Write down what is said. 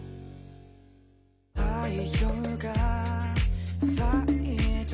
「太陽が咲いた」